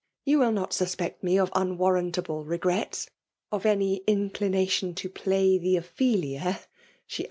You will not suspect me of unwarrantable regrets^ of any inclination to play the Ophelia,*' she FBMAtS BOItmATlOy.